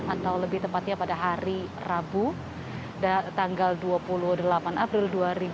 atau lebih tepatnya pada hari rabu tanggal dua puluh delapan april dua ribu dua puluh